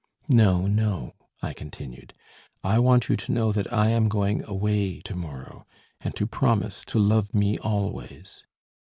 "No, no," I continued, "I want you to know that I am going away to morrow, and to promise to love me always."